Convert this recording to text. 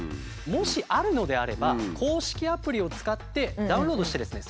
もしあるのであれば公式アプリを使ってダウンロードしてですね